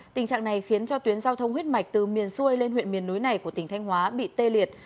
tình trạng này khiến cho tuyến giao thông huyết mạch từ miền xuôi lên huyện miền núi này của tỉnh thanh hóa bị tê liệt